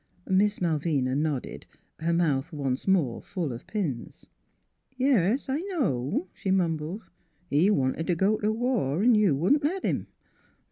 Miss Malvina nodded, her mouth once more full of pins. "Yes; I know," she mumbled, "he wanted t' go t' war an' you wouldn't let him.